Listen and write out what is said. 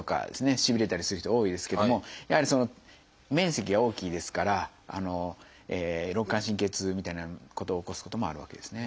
しびれたりする人が多いですけどもやはりその面積が大きいですから肋間神経痛みたいなことを起こすこともあるわけですね。